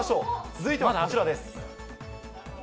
続いてはこちらです。